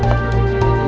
saya antar ya